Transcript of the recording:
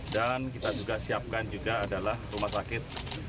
dan kita juga siapkan juga adalah rumah sakit